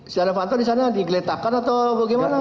stianovanto di sana digeletakan atau bagaimana